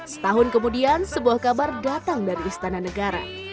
setahun kemudian sebuah kabar datang dari istana negara